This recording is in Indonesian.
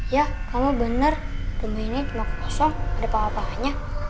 ya kamu bener rumah ini cuma kosong ada apa apa aja